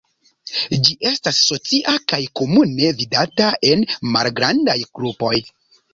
Ĝi estas socia kaj komune vidata en malgrandaj grupoj.